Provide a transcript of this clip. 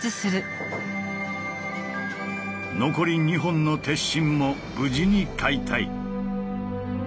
残り２本の鉄心も無事に解体。